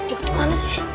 ikut kemana sih